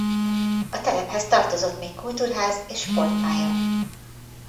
A telephez tartozott még kultúrház és sportpálya.